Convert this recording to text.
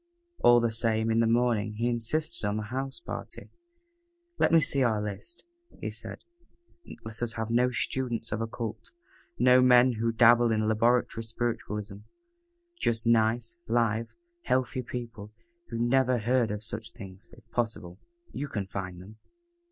All the same, in the morning, he insisted on the house party. "Let me see our list," he said. "Let us have no students of occult; no men who dabble in laboratory spiritualism; just nice, live, healthy people who never heard of such things if possible. You can find them."